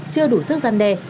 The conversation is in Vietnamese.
chưa đủ sức gian đe